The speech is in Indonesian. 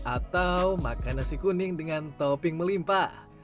atau makan nasi kuning dengan topping melimpa